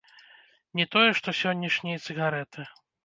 Не тое што сённяшнія цыгарэты.